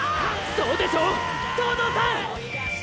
そうでしょ東堂さん！